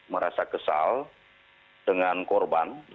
merasa kesal dengan korban